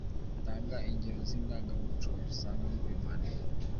Tanga ingero z’indangamuco dusanga muri uyu mwandiko.